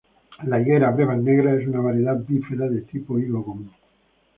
La higuera 'Brevas Negras' es una variedad "bífera" de tipo higo común.